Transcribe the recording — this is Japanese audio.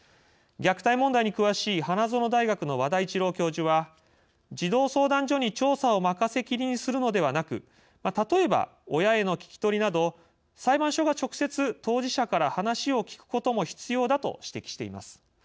虐待問題に詳しい花園大学の和田一郎教授は「児童相談所に調査を任せきりにするのではなく例えば親への聞き取りなど裁判所が直接、当事者から話を聞くことも必要だ」と指摘しています。